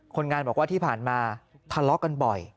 คนงานบอกว่าที่ผ่านมาทะเลาะกันบ่อย